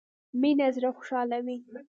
مينه زړه خوشحالوي